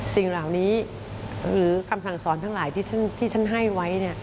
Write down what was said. สิ่งเหล่านี้หรือคำสั่งสอนทั้งหลายที่ท่านให้ไว้